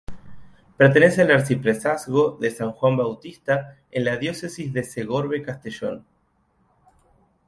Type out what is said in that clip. Pertenece al arciprestazgo de San Juan Bautista en la Diócesis de Segorbe-Castellón.